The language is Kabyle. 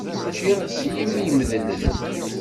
Ččiɣ s yimi imedlen.